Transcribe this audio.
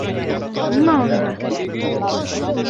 Нимә унда?